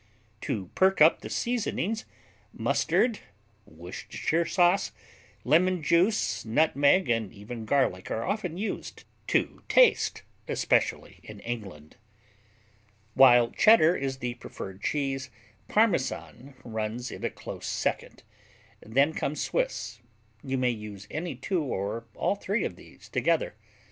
To perk up the seasonings, mustard, Worcestershire sauce, lemon juice, nutmeg and even garlic are often used to taste, especially in England. While Cheddar is the preferred cheese, Parmesan runs it a close second. Then comes Swiss. You may use any two or all three of these together.